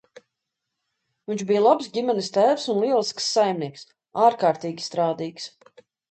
Viņš bija labs ģimenes tēvs un lielisks saimnieks, ārkārtīgi strādīgs.